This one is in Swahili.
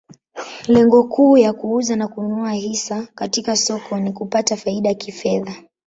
Lengo kuu ya kuuza na kununua hisa katika soko ni kupata faida kifedha.